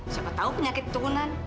siapa tahu penyakit turunan